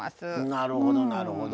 なるほどなるほど。